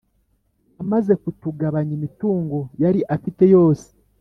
amaze kutugabanya imitungo yari afite yose,